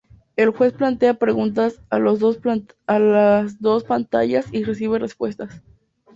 El juez plantea preguntas a las dos pantallas y recibe respuestas.